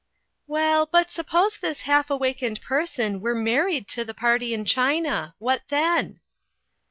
" Well, but suppose this half awakened per son were married to the party in China what then?"